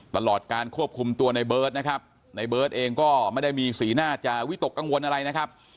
ตลอดการควบคุมตัวในเบิร์ตนะครับในเบิร์ตเองก็ไม่ได้มีสีหน้าจะวิตกกังวลอะไรนะครับ